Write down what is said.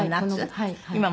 はい。